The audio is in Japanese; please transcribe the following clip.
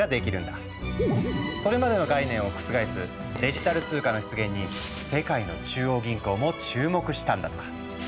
それまでの概念を覆すデジタル通貨の出現に世界の中央銀行も注目したんだとか。